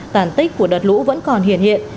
tàn tích của đợt lũ vẫn còn hiện hiện